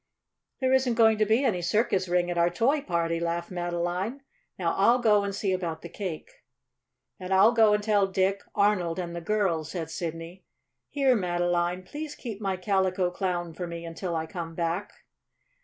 "There isn't going to be any circus ring at our Toy Party," laughed Madeline. "Now I'll go and see about the cake." "And we'll go and tell Dick, Arnold and the girls," said Sidney. "Here, Madeline, please keep my Calico Clown for me until I come back."